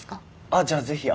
あっじゃあ是非。